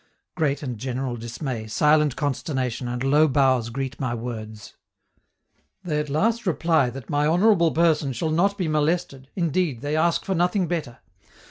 Great and general dismay, silent consternation, and low bows greet my words. They at last reply that my honorable person shall not be molested, indeed, they ask for nothing better.